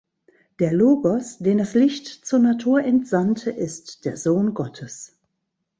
Der Logos, den das Licht zur Natur entsandte, ist der „Sohn Gottes“.